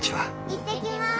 行ってきます。